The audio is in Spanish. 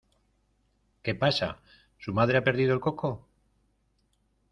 ¿ Qué pasa? ¿ su madre ha perdido el coco ?